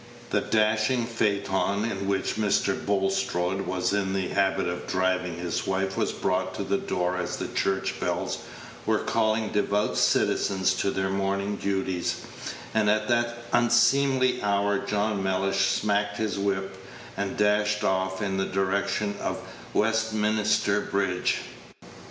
The dashing phaeton in which Mr. Bulstrode was in the habit of driving his wife was brought to the door as the church bells were calling devout citizens to their morning duties, and at that unseemly hour John Mellish smacked his whip, and dashed off in the direction of Westminster Bridge.